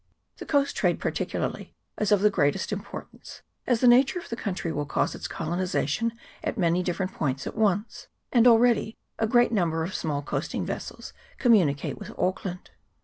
The coast trade particularly is of the greatest importance, as the nature of the country will cause its colonization at many different points at once: and already a great number of small coasting ves sels communicate with Auckland.